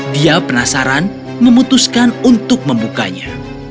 dia penasaran memutuskan untuk membukanya